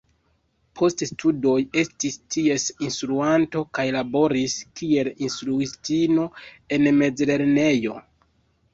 Post studoj estis ties instruanto kaj laboris kiel instruistino en mezlernejo.